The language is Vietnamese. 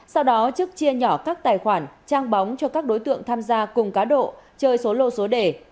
sau đó trúc chia nhỏ các tài khoản trang bóng cho các đối tượng tham gia cùng cá độ chơi số lô số đề